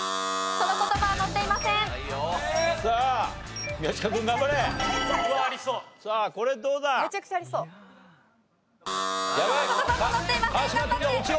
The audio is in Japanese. その言葉も載っていません。